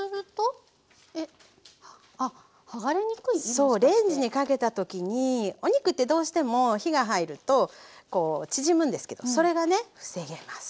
そうレンジにかけた時にお肉ってどうしても火が入ると縮むんですけどそれがね防げます。